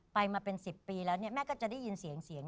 ไปมาเป็น๑๐ปีแล้วเนี่ยแม่ก็จะได้ยินเสียงเสียง